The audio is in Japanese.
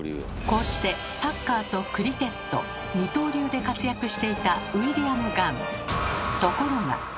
こうしてサッカーとクリケット二刀流で活躍していたウィリアム・ガン。